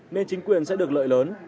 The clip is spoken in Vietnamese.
nên chính quyền sẽ được lợi lớn